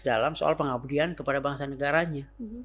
dalam soal pengabdian kepada bangsa negaranya